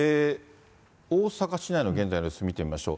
大阪市内の現在の様子、見てみましょう。